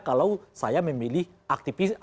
kalau saya memilih aktivis